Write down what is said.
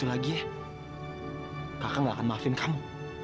yaudah gi udah mandi di sana